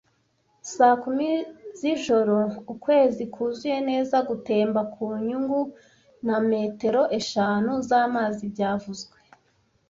Saa kumi z'ijoro, ukwezi kuzuye neza, gutemba ku nyungu, na metero eshanu z'amazi byavuzwe,